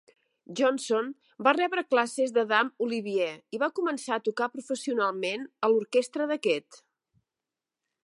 Johnson va rebre classes d'Adam Olivier i va començar a tocar professionalment a l'orquestra d'aquest.